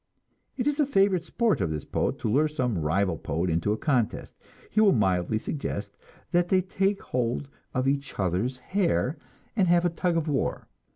It is a favorite sport of this poet to lure some rival poet into a contest. He will mildly suggest that they take hold of each other's hair and have a tug of war.